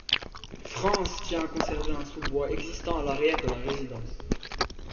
Franssen tient à conserver un sous bois existant à l’arrière de la résidence.